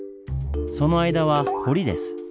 その間は堀です。